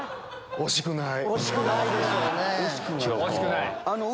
惜しくない！